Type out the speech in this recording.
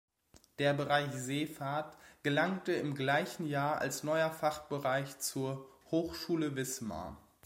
Der Bereich Seefahrt gelangte im gleichen Jahr als neuer Fachbereich zur "Hochschule Wismar".